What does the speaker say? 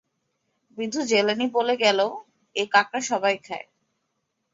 বিধু জেলেনি বলে গেল এ কাঁকড়া সবাই খায়।